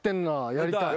やりたい。